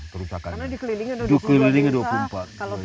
karena dikelilingi sudah dua puluh empat desa